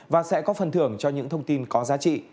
và sẽ có phần thưởng cho những thông tin có giá trị